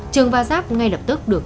trường và sáp ngay lập tức được